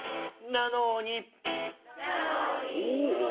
なのにお！